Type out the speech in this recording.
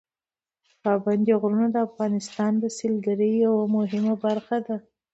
پابندي غرونه د افغانستان د سیلګرۍ یوه مهمه برخه ده.